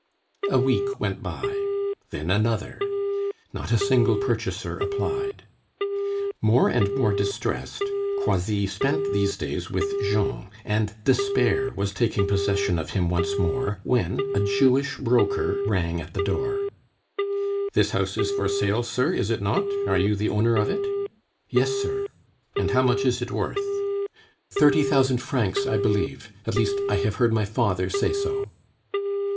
A week went by, then another; not a single purchaser applied. More and more distressed, Croisilles spent these days with Jean, and despair was taking possession of him once more, when a Jewish broker rang at the door. "This house is for sale, sir, is it not? Are you the owner of it?" "Yes, sir." "And how much is it worth?" "Thirty thousand francs, I believe; at least I have heard my father say so."